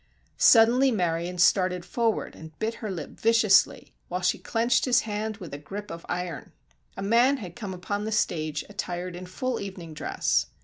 Suddenly Marion started forward and bit her lip viciously, while she clenched his hand with a grip of iron. A man had come upon the stage attired in full evening dress.